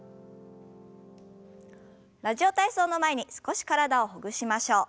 「ラジオ体操」の前に少し体をほぐしましょう。